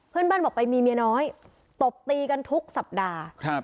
เพื่อนบ้านบอกไปมีเมียน้อยตบตีกันทุกสัปดาห์ครับ